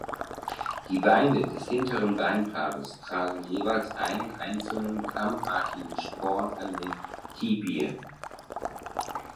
Die Beine des hinteren Beinpaares tragen jeweils einen einzelnen kammartigen Sporn an den Tibien.